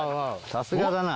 さすがだな。